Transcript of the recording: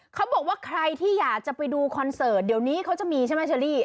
เขาบอกว่าใครที่อยากจะไปดูคอนเสิร์ตเดี๋ยวนี้เขาจะมีใช่ไหมเชอรี่